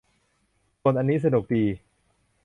ส่วนอันนี้สนุกดี